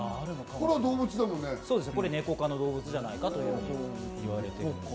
これはネコ科の動物じゃないかといわれています。